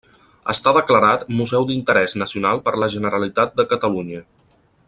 Està declarat museu d'interès nacional per la Generalitat de Catalunya.